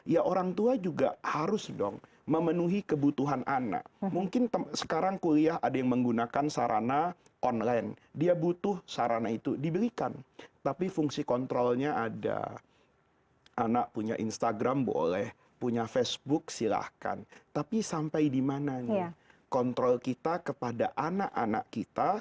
ya orang tua juga harus dong memenuhi kebutuhan anak